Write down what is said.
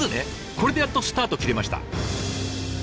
これでやっとスタート切れました。